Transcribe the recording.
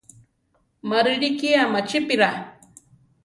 Má rilíki amachípira.